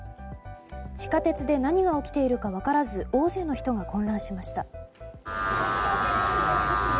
地下鉄で何が起きているか分からず大勢の人が混乱しました。